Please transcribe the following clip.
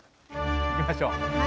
行きましょう。